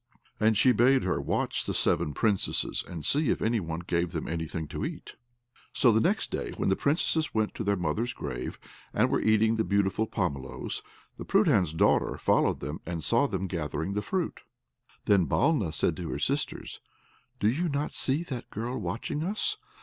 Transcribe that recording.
And she bade her watch the seven Princesses, and see if any one gave them anything to eat. So next day, when the Princesses went to their mother's grave, and were eating the beautiful pomeloes, the Prudhan's daughter followed them, and saw them gathering the fruit. Then Balna said to her sisters, "Do you not see that girl watching us?